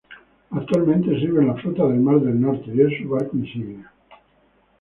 Actualmente sirve en la Flota del Mar del Norte y es su barco insignia.